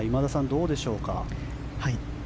どうでしょうか。